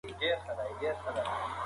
بدګماني ګناه ده.